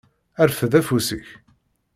Rfed afus-ik.